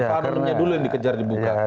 partnernya dulu yang dikejar dibuka